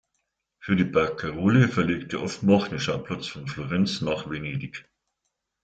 Für die Barcarole verlegte Offenbach den Schauplatz von Florenz nach Venedig.